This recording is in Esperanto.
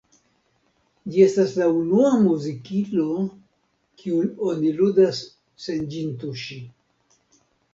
Ĝi estas la unua muzikilo, kiun oni ludas sen ĝin tuŝi.